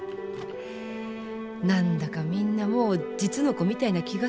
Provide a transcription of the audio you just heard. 何だかみんなもう実の子みたいな気がするよ。